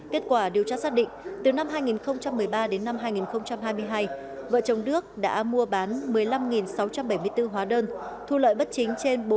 kết quả điều tra xác định từ năm hai nghìn một mươi ba đến năm hai nghìn hai mươi hai vợ chồng đức đã mua bán một mươi năm sáu trăm bảy mươi bốn hóa đơn